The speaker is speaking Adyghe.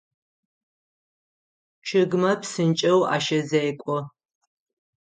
Чъыгмэ псынкӏэу ащэзекӏо.